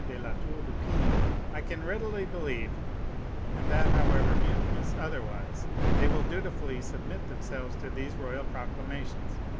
de La Tour du Pin, I can readily believe, and that, however mutinous otherwise, they will dutifully submit themselves to these royal proclamations.